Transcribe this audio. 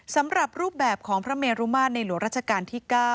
สำหรับรูปแบบของพระเมรุมาตรในหลวงราชการที่๙